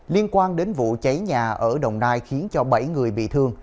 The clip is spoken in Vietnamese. liên quan đến vụ cháy nhà ở đồng nai khiến cho bảy người bị thương